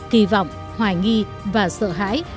kỳ vọng hoài nghi và sợ hãi